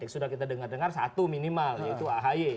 sudah kita dengar dengar satu minimal yaitu ahy